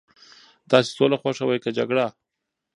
تاسي سوله خوښوئ که جګړه؟